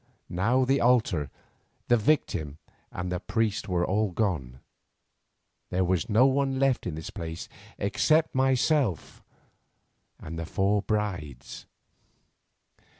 Now the altar, the victim, and the priests were all gone, there was no one left in the place except myself and the four brides.